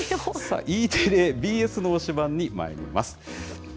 Ｅテレ・ＢＳの推しバンにまいります。